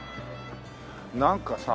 なんかさ